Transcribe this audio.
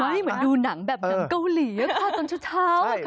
ไม่เหมือนดูหนังแบบหนังเกาหลีครับตอนเช้าครับ